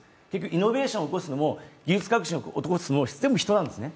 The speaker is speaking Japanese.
イノベーションを起こすのも、技術革新を起こすのも全部人なんですね。